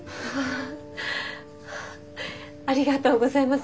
ありがとうございます。